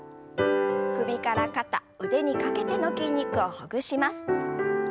首から肩腕にかけての筋肉をほぐします。